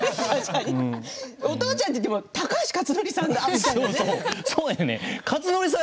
お父さんって高橋克典さん。